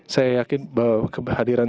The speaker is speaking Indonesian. saya yakin bahwa kehadiran